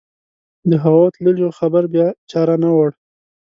د هغو تللیو خبر بیا چا رانه وړ.